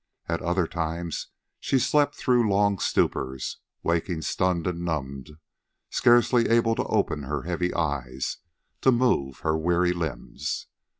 At other times she slept through long stupors, waking stunned and numbed, scarcely able to open her heavy eyes, to move her weary limbs.